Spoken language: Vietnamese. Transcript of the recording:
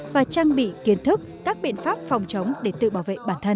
và trang bị kiến thức các biện pháp phòng chống để tự bảo vệ bản thân